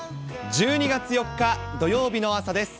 １２月４日土曜日の朝です。